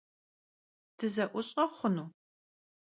Dıze'uş'e xhunu?